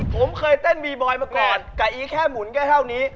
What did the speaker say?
ผมเคยเต้นบีบอยมาก่อนกับอีแค่หมุนแค่เท่านี้